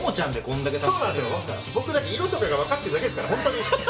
僕だって色とかがわかってるだけですから本当に。